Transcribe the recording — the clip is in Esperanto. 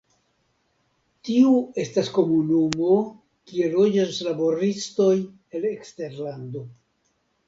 Tiu estas komunumo kie loĝas laboristoj el eksterlando.